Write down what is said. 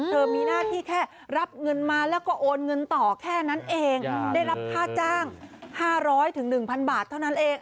มีหน้าที่แค่รับเงินมาแล้วก็โอนเงินต่อแค่นั้นเองได้รับค่าจ้าง๕๐๐๑๐๐บาทเท่านั้นเอง